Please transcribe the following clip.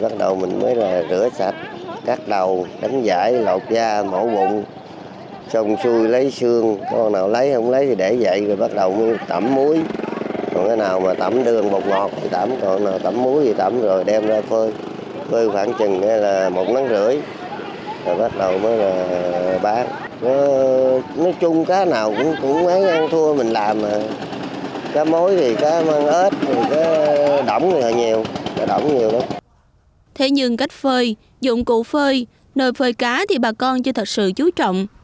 thế nhưng cách phơi dụng cụ phơi nơi phơi cá thì bà con chưa thật sự chú trọng